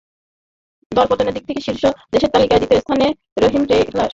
দরপতনের দিক থেকে শীর্ষ দশের তালিকায় দ্বিতীয় স্থানে ছিল রহিম টেক্সটাইল।